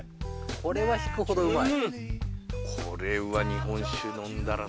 これは引くほどうまい。